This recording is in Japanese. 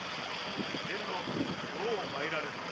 遠路よう参られた。